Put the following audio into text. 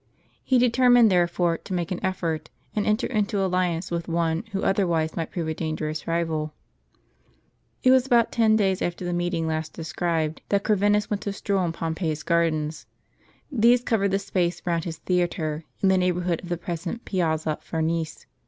He determined, therefore, to make an effort, and enter into alliance with one who otherwise might prove a dangerous rival. It was about ten days after the meeting last described, that Corvinus went to stroll in Pompey's gardens. These Mi covered the space round his theatre, in the neighborhood of the present Piazza Farnese.